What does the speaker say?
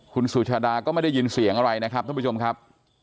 คุณสุชาดาก็ไม่ได้ยินเสียงอะไรนะครับท่านผู้ชมครับ